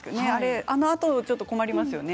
あのあと困りますよね。